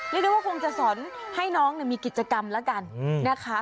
เรียกได้ว่าคงจะสอนให้น้องมีกิจกรรมแล้วกันนะคะ